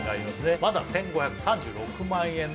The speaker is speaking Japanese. まだ１５３６万円ね